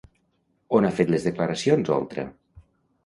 On ha fet les declaracions Oltra?